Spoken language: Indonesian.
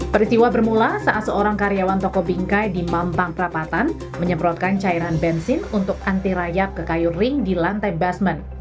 peristiwa bermula saat seorang karyawan toko bingkai di mampang prapatan menyebrotkan cairan bensin untuk anti rayap ke kayu ring di lantai basement